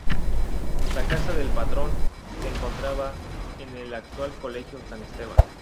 La casa del patrón se encontraba en el actual Colegio San Esteban.